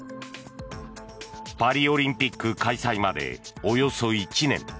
パリオリンピック開催までおよそ１年。